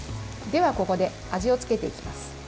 では、ここで味をつけていきます。